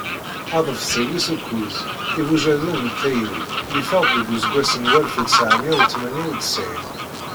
Aḍebsi wis ukuẓ "Ibujaden n tayri" yeffeɣ-d deg useggas n walef u tesεemya u tmanya u tesεin.